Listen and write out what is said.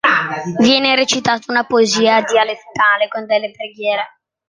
Viene recitata una Poesia dialettale con delle Preghiere.